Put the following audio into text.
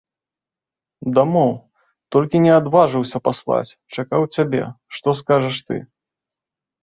Дамоў, толькі не адважыўся паслаць, чакаў цябе, што скажаш ты.